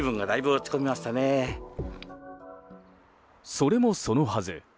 それもそのはず。